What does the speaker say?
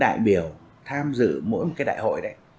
đại biểu tham dự mỗi đại hội